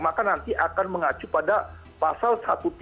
maka nanti akan mengacu pada pasal satu ratus tiga puluh